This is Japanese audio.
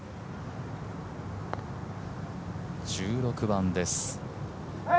１６番です。